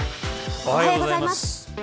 おはようございます。